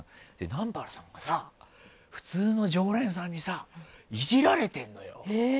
南原さんが普通の常連さんにさイジられてるのよ。